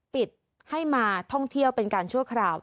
ปิดให้มาท่องเที่ยวเป็นการชั่วคราว